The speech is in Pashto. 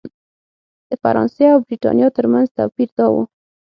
د فرانسې او برېټانیا ترمنځ توپیر دا و.